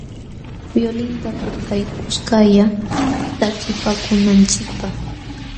Violinta tukay kuskalla takipaakunanchikpaq.